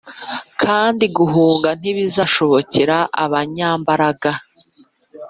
Kandi guhunga ntikuzashobokera abanyambaraga